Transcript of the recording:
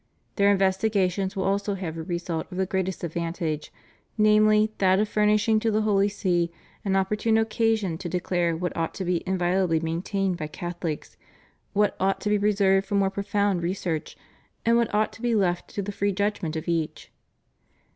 Their investigations will also have a result of the greatest advantage, namely, that of furnishing to the Holy See an opportune occasion to de clare what ought to be inviolably maintained by Catholics, what ought to be reserved for more profound research, and what ought to be left to the free judgment of each.